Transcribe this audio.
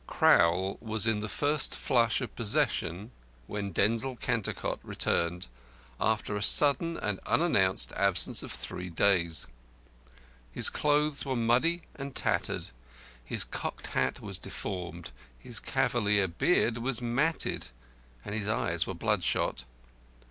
Crowl was in the first flush of possession when Denzil Cantercot returned, after a sudden and unannounced absence of three days. His clothes were muddy and tattered, his cocked hat was deformed, his cavalier beard was matted, and his eyes were bloodshot.